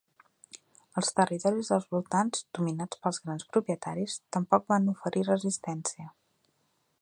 Els territoris dels voltants, dominats pels grans propietaris, tampoc van oferir resistència.